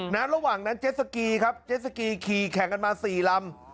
ระหว่างนั้นเจสสกีครับเจสสกีขี่แข่งกันมาสี่ลำ